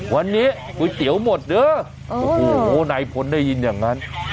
วันนี้ก๋วยเตี๋ยวหมดเด้อโอ้โหนายพลได้ยินอย่างนั้น